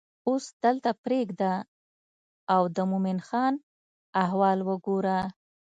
اوس دلته پرېږده او د مومن خان احوال وګوره.